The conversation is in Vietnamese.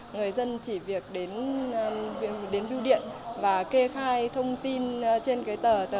người dân chỉ việc đến bưu điện và kê khai thông tin trên cái tờ kê khai